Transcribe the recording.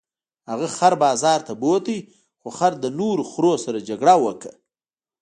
هغه خر بازار ته بوت خو خر له نورو خرو سره جګړه وکړه.